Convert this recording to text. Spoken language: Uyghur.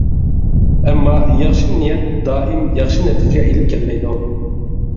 ئەمما ياخشى نىيەت دائىم ياخشى نەتىجە ئىلىپ كەلمەيدۇ.